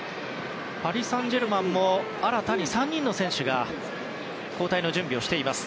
パリ・サンジェルマンも新たに３人の選手が交代の準備をしています。